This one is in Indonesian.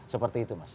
seperti itu mas